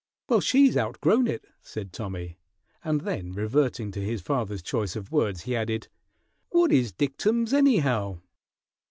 "Well, she's outgrown it," said Tommy; and then reverting to his father's choice of words, he added, "What is dictums, anyhow?"